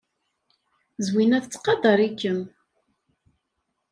Zwina tettqadar-ikem.